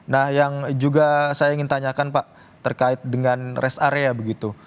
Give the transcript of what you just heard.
nah yang juga saya ingin tanyakan pak terkait dengan rest area begitu